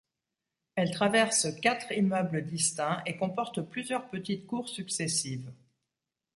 Elle traverse quatre immeubles distincts et comporte plusieurs petites cours successives.